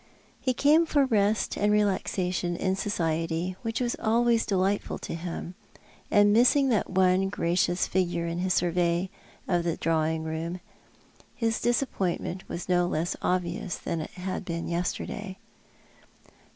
He came for rest and relaxation in society which was always delightful to him, and missing that one gracious figure in his survey of the drawing room, his disappointment was no less obvious than it had been yesterday.